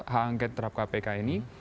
hak angket terhadap kpk ini